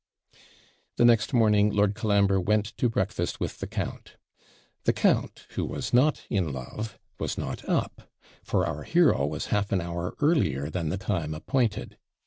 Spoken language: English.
The next morning Lord Colambre went to breakfast with the count. The count, who was not in love, was not up, for our hero was half an hour earlier than the time appointed.